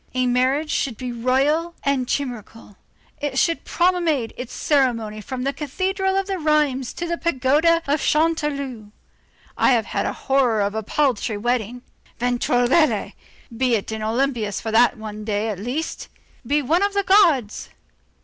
A marriage should be royal and chimerical; it should promenade its ceremony from the cathedral of Rheims to the pagoda of Chanteloup. I have a horror of a paltry wedding. Ventregoulette! be in Olympus for that one day, at least. Be one of the gods.